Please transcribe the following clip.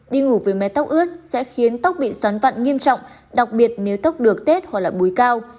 đi ngủ với mái tóc ướt sẽ khiến tóc bị xoắn vặn nghiêm trọng đặc biệt nếu tóc được tết hoặc bùi cao